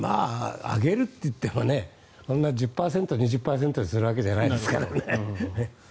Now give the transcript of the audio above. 上げるといってもそんな１０％、２０％にするわけじゃないですからね。